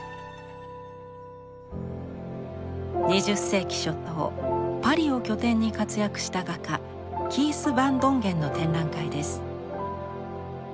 ２０世紀初頭パリを拠点に活躍した画家キース・ヴァン・ドンゲンの展覧会です。